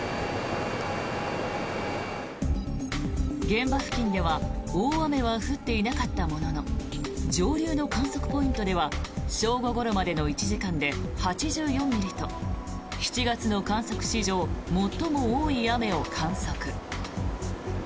現場付近では大雨は降っていなかったものの上流の観測ポイントでは正午ごろまでの１時間で８４ミリと７月の観測史上最も多い雨を観測。